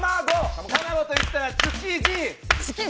卵といったら築地。